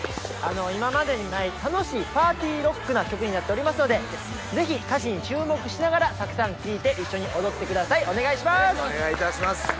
今までにない楽しいパーティーロックな曲になっておりますのでぜひ歌詞に注目しながらたくさん聴いて一緒に踊ってくださいお願いします！